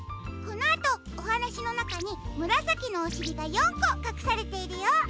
このあとおはなしのなかにむらさきのおしりが４こかくされているよ。